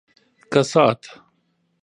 کسات